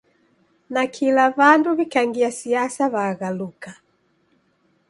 Nakila w'andu w'ikangia siasa w'aghaluka